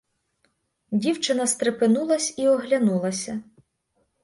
Дівчина стрепенулась і оглянулася.